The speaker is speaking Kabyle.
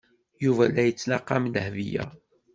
Yuba la yettnaqam Dahbiya.